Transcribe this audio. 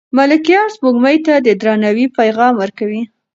ملکیار سپوږمۍ ته د درناوي پیغام ورکوي.